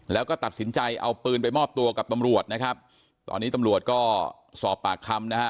แล้วก็ตัดสินใจเอาปืนไปมอบตัวกับตำรวจนะครับตอนนี้ตำรวจก็สอบปากคำนะฮะ